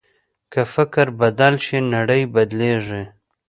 که فکر بدل شي، نړۍ بدلېږي.